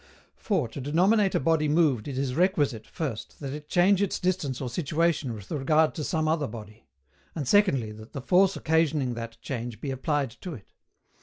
For, to denominate a body moved it is requisite, first, that it change its distance or situation with regard to some other body; and secondly, that the force occasioning that change be applied to it.